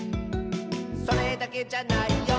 「それだけじゃないよ」